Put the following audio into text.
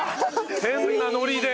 変なノリで。